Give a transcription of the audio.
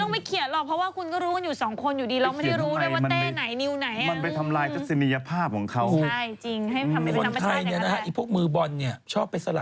ไม่ต้องเขียนบอกเขาก็ได้ไม่ต้องบอกเขาก็ได้เนี่ยเห็นไหม